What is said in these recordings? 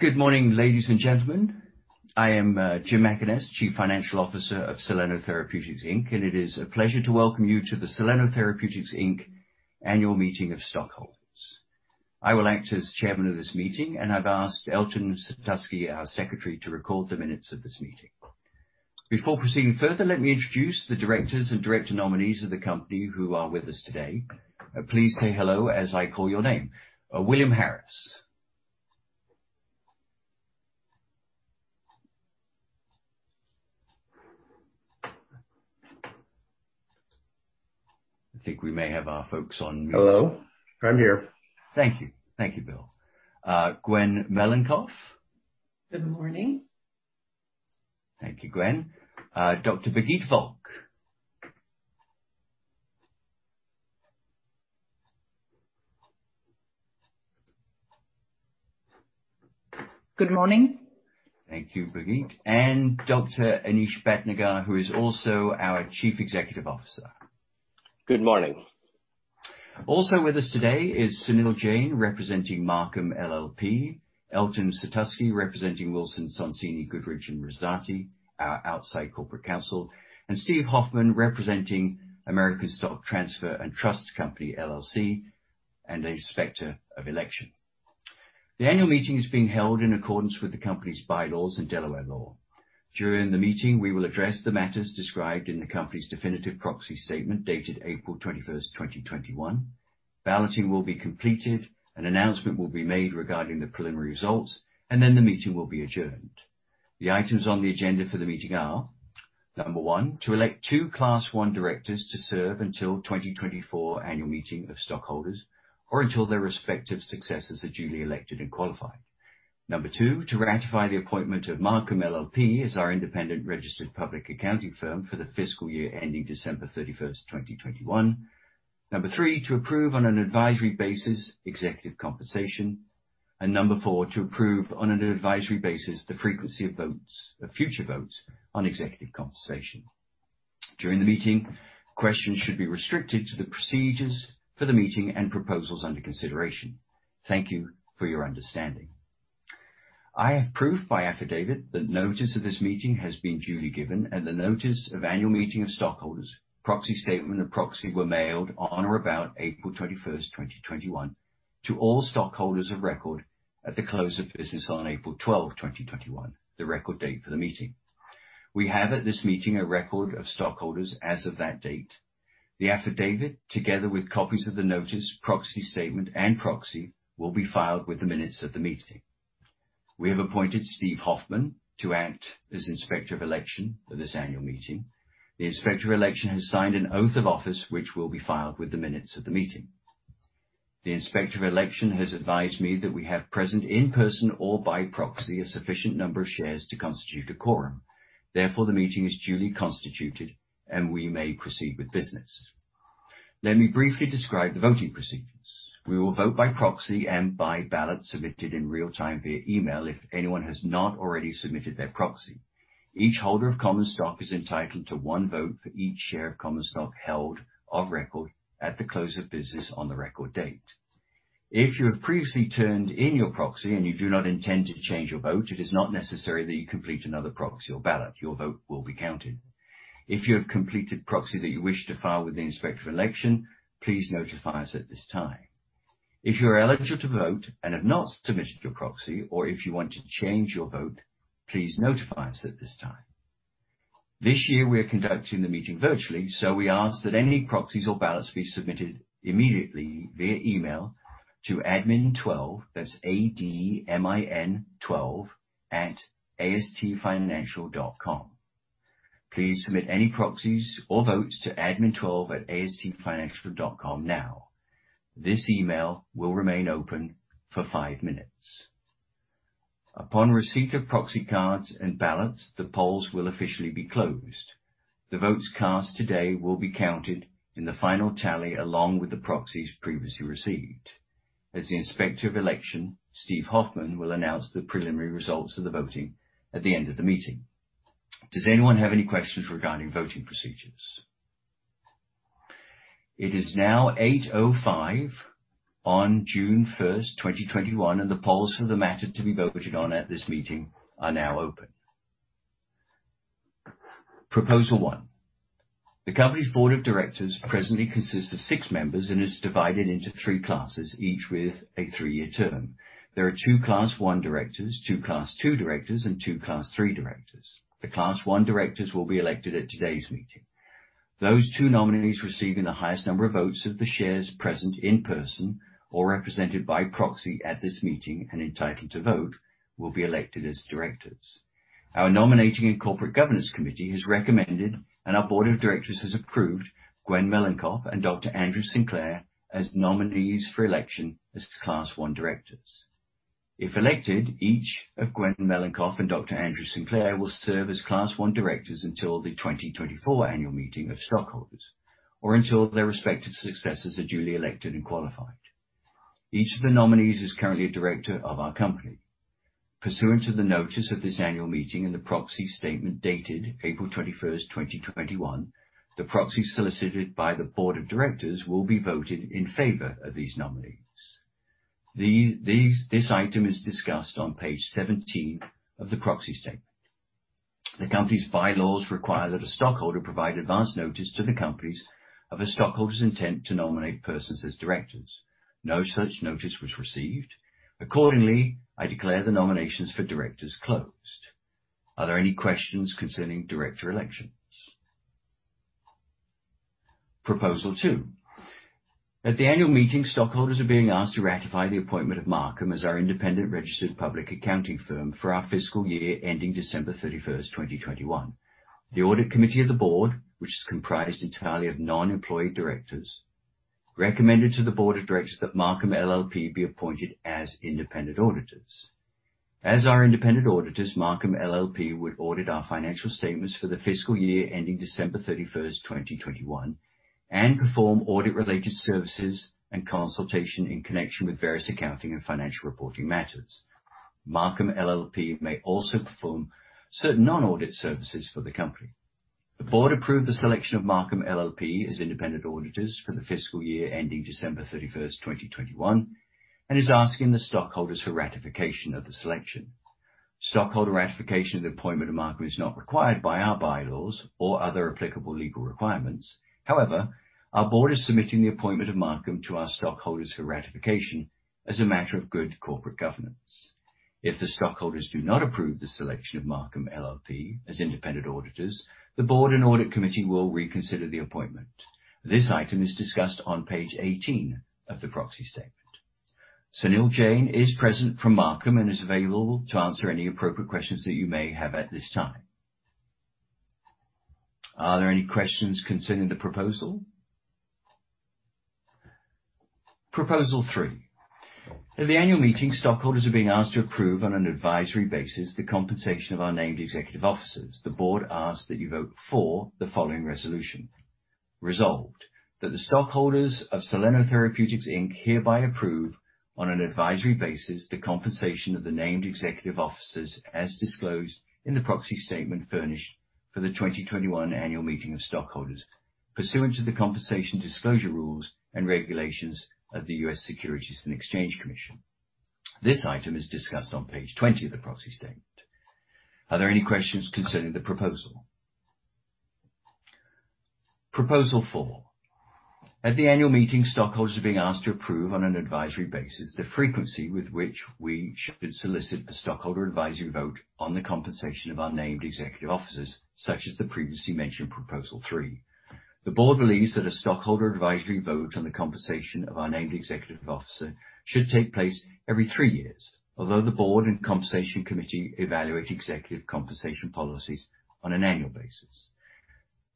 Good morning, ladies and gentlemen. I am Jim Mackaness, Chief Financial Officer of Soleno Therapeutics Inc., and it is a pleasure to welcome you to the Soleno Therapeutics Inc. Annual Meeting of Stockholders. I will act as chairman of this meeting, and I've asked Elton Satusky, our Secretary, to record the minutes of this meeting. Before proceeding further, let me introduce the directors and director nominees of the company who are with us today. Please say hello as I call your name. William Harris. I think we may have our folks on mute. Hello. I'm here. Thank you. Thank you, Bill. Gwen Melincoff. Good morning. Thank you, Gwen. Dr. Birgitte Volck. Good morning. Thank you, Birgitte. Dr. Anish Bhatnagar, who is also our Chief Executive Officer. Good morning. Also with us today is Sunil Jain, representing Marcum LLP, Elton Satusky, representing Wilson Sonsini Goodrich & Rosati, our outside corporate counsel, and Steve Hoffman, representing American Stock Transfer & Trust Company, LLC, and Inspector of Election. The annual meeting is being held in accordance with the company's bylaws and Delaware law. During the meeting, we will address the matters described in the company's definitive proxy statement dated April 21st, 2021. Balloting will be completed, an announcement will be made regarding the preliminary results, and then the meeting will be adjourned. The items on the agenda for the meeting are, number one, to elect two Class I directors to serve until 2024 Annual Meeting of Stockholders or until their respective successors are duly elected and qualified. Number two, to ratify the appointment of Marcum LLP as our independent registered public accounting firm for the fiscal year ending December 31st, 2021. Number three, to approve on an advisory basis executive compensation. Number four, to approve on an advisory basis the frequency of future votes on executive compensation. During the meeting, questions should be restricted to the procedures for the meeting and proposals under consideration. Thank you for your understanding. I have proof by affidavit that notice of this meeting has been duly given and the notice of Annual Meeting of Stockholders, proxy statement, and proxy were mailed on or about April 21st, 2021 to all stockholders of record at the close of business on April 12th, 2021, the record date for the meeting. We have at this meeting a record of stockholders as of that date. The affidavit, together with copies of the notice, proxy statement, and proxy, will be filed with the minutes of the meeting. We have appointed Steve Hoffman to act as Inspector of Election for this annual meeting. The Inspector of Election has signed an oath of office, which will be filed with the minutes of the meeting. The Inspector of Election has advised me that we have present in person or by proxy a sufficient number of shares to constitute a quorum. Therefore, the meeting is duly constituted and we may proceed with business. Let me briefly describe the voting procedures. We will vote by proxy and by ballot submitted in real time via email if anyone has not already submitted their proxy. Each holder of common stock is entitled to one vote for each share of common stock held of record at the close of business on the record date. If you have previously turned in your proxy and you do not intend to change your vote, it is not necessary that you complete another proxy or ballot. Your vote will be counted. If you have completed proxy that you wish to file with the Inspector of Election, please notify us at this time. If you are eligible to vote and have not submitted your proxy or if you want to change your vote, please notify us at this time. This year, we are conducting the meeting virtually, so we ask that any proxies or ballots be submitted immediately via email to admin12, that's A-D-M-I-N-12@astfinancial.com. Please submit any proxies or votes to admin12@astfinancial.com now. This email will remain open for five minutes. Upon receipt of proxy cards and ballots, the polls will officially be closed. The votes cast today will be counted in the final tally along with the proxies previously received. As the Inspector of Election, Steve Hoffman will announce the preliminary results of the voting at the end of the meeting. Does anyone have any questions regarding voting procedures? It is now 8:05 A.M. on June 1, 2021, and the polls for the matter to be voted on at this meeting are now open. Proposal One. The company's board of directors presently consists of six members and is divided into three classes, each with a three-year term. There are two Class I directors, two Class II directors, and two Class III directors. The Class I directors will be elected at today's meeting. Those two nominees receiving the highest number of votes of the shares present in person or represented by proxy at this meeting and entitled to vote, will be elected as directors. Our nominating and corporate governance committee has recommended and our board of directors has approved Gwen Melincoff and Dr. Andrew Sinclair as nominees for election as Class I directors. If elected, each of Gwen Melincoff and Dr. Andrew Sinclair will serve as Class I directors until the 2024 Annual Meeting of Stockholders or until their respective successors are duly elected and qualified. Each of the nominees is currently a director of our company. Pursuant to the notice of this annual meeting and the proxy statement dated April 21st, 2021, the proxies solicited by the board of directors will be voted in favor of these nominees. This item is discussed on page 17 of the proxy statement. The Company's bylaws require that a stockholder provide advance notice to the Company of a stockholder's intent to nominate persons as directors. No such notice was received. Accordingly, I declare the nominations for directors closed. Are there any questions concerning director elections? Proposal two. At the annual meeting, stockholders are being asked to ratify the appointment of Marcum as our independent registered public accounting firm for our fiscal year ending December 31st, 2021. The audit committee of the Board, which is comprised entirely of non-employee directors, recommended to the Board of Directors that Marcum LLP be appointed as independent auditors. As our independent auditors, Marcum LLP would audit our financial statements for the fiscal year ending December 31st, 2021, and perform audit-related services and consultation in connection with various accounting and financial reporting matters. Marcum LLP may also perform certain non-audit services for the company. The board approved the selection of Marcum LLP as independent auditors for the fiscal year ending December 31st, 2021 and is asking the stockholders for ratification of the selection. Stockholder ratification of the appointment of Marcum is not required by our bylaws or other applicable legal requirements. Our board is submitting the appointment of Marcum to our stockholders for ratification as a matter of good corporate governance. If the stockholders do not approve the selection of Marcum LLP as independent auditors, the board and audit committee will reconsider the appointment. This item is discussed on page 18 of the proxy statement. Sunil Jain is present from Marcum and is available to answer any appropriate questions that you may have at this time. Are there any questions concerning the proposal? Proposal Three At the annual meeting, stockholders are being asked to approve, on an advisory basis, the compensation of our named executive officers. The board asks that you vote for the following resolution. Resolved, that the stockholders of Soleno Therapeutics, Inc. hereby approve, on an advisory basis, the compensation of the named executive officers as disclosed in the proxy statement furnished for the 2021 annual meeting of stockholders pursuant to the compensation disclosure rules and regulations of the U.S. Securities and Exchange Commission. This item is discussed on page 20 of the proxy statement. Are there any questions concerning the proposal? Proposal Four. At the annual meeting, stockholders are being asked to approve, on an advisory basis, the frequency with which we should solicit the stockholder advisory vote on the compensation of our named executive officers, such as the previously mentioned proposal three. The board believes that a stockholder advisory vote on the compensation of our named executive officer should take place every three years, although the board and compensation committee evaluate executive compensation policies on an annual basis.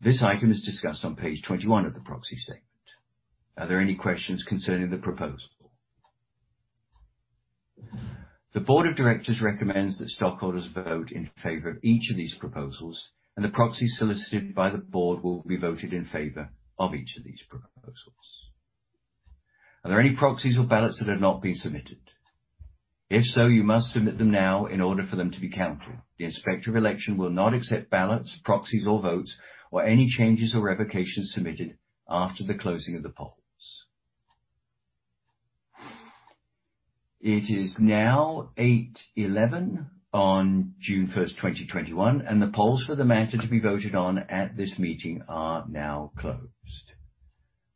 This item is discussed on page 21 of the proxy statement. Are there any questions concerning the proposal? The board of directors recommends that stockholders vote in favor of each of these proposals, and the proxies solicited by the board will be voted in favor of each of these proposals. Are there any proxies or ballots that have not been submitted? If so, you must submit them now in order for them to be counted. The Inspector of Election will not accept ballots, proxies or votes or any changes or revocations submitted after the closing of the polls. It is now 8:11 A.M. on June 1st, 2021, and the polls for the matter to be voted on at this meeting are now closed.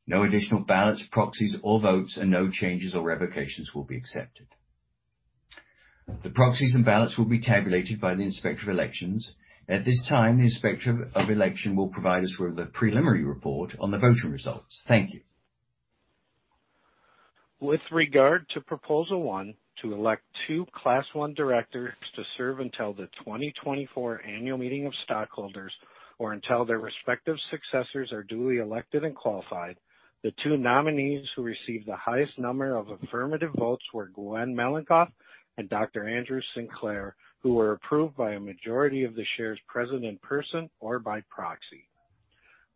No additional ballots, proxies, or votes, and no changes or revocations will be accepted. The proxies and ballots will be tabulated by the Inspector of Election. At this time, the Inspector of Election will provide us with a preliminary report on the voting results. Thank you. With regard to proposal one, to elect two Class I directors to serve until the 2024 annual meeting of stockholders or until their respective successors are duly elected and qualified. The two nominees who received the highest number of affirmative votes were Gwen Melincoff and Dr. Andrew Sinclair, who were approved by a majority of the shares present in person or by proxy.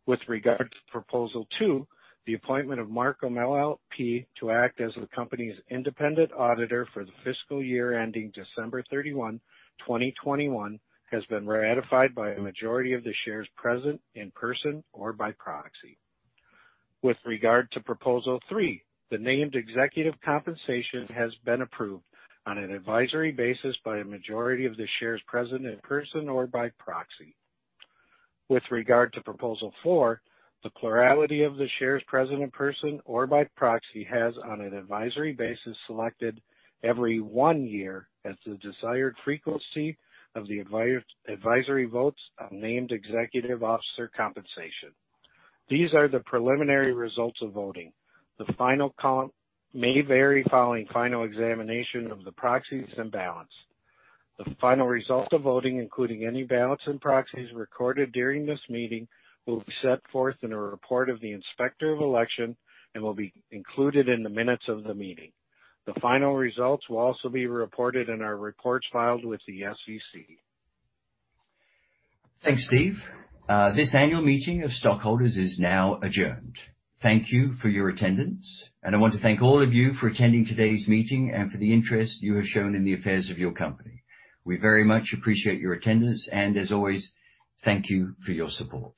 With regard to proposal two, the appointment of Marcum LLP to act as the company's independent auditor for the fiscal year ending December 31, 2021, has been ratified by a majority of the shares present in person or by proxy. With regard to proposal three, the named executive compensation has been approved on an advisory basis by a majority of the shares present in person or by proxy. With regard to proposal four, the plurality of the shares present in person or by proxy has, on an advisory basis, selected every one year as the desired frequency of the advisory votes on named executive officer compensation. These are the preliminary results of voting. The final count may vary following final examination of the proxies and ballots. The final results of voting, including any ballots and proxies recorded during this meeting, will be set forth in a report of the Inspector of Election and will be included in the minutes of the meeting. The final results will also be reported in our reports filed with the SEC. Thanks, Steve. This annual meeting of stockholders is now adjourned. Thank you for your attendance, and I want to thank all of you for attending today's meeting and for the interest you have shown in the affairs of your company. We very much appreciate your attendance, and as always, thank you for your support.